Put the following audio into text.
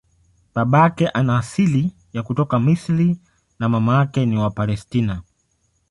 Babake ana asili ya kutoka Misri na mamake ni wa Palestina.